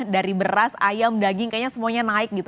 dari beras ayam daging kayaknya semuanya naik gitu